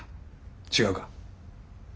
違うか？